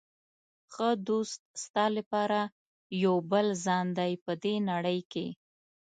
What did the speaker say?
ښه دوست ستا لپاره یو بل ځان دی په دې نړۍ کې.